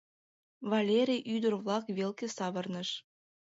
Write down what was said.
Валерий ӱдыр-влак велке савырныш.